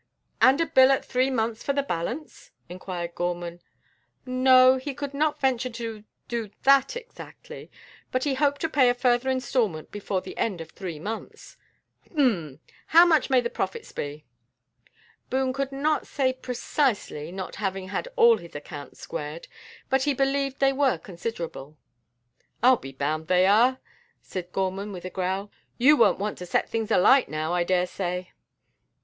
"And a bill at three months for the balance?" inquired Gorman. No, he could not venture to do that exactly, but he hoped to pay a further instalment before the end of three months. "Humph! How much may the profits be?" Boone could not say precisely, not having had all his accounts squared, but he believed they were considerable. "I'll be bound they are," said Gorman with a growl; "you won't want to set things alight now, I daresay."